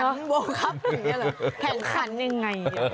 แข่งขันยังไง